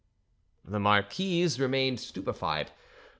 The marquise remained stupefied.